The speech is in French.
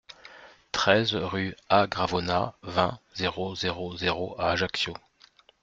treize rue A Gravona, vingt, zéro zéro zéro à Ajaccio